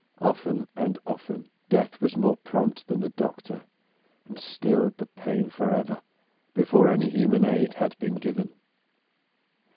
often and often death was more prompt than the doctor, and stilled the pain forever, before any human aid had been given.